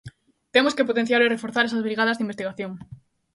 Temos que potenciar e reforzar esas brigadas de investigación.